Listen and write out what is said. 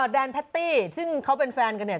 แดนแพตตี้ซึ่งเขาเป็นแฟนกันเนี่ย